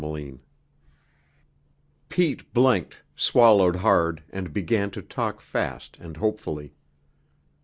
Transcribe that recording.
CHAPTER II Pete blinked, swallowed hard and began to talk fast and hopefully.